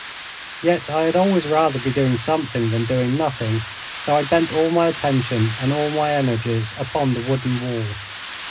Yet I had always rather be doing something than doing nothing, so I bent all my attention and all my energies upon the wooden wall.